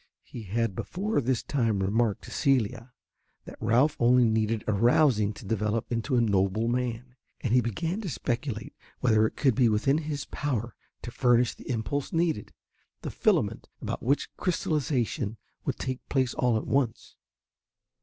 He had before this time remarked to Celia that Ralph only needed arousing to develop into a noble man, and he began to speculate whether it could be within his power to furnish the impulse needed the filament about which crystallization would take place all at once.